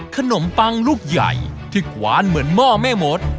ขนมปังลูกใหญ่ที่กวานเหมือนหม้อแม่มด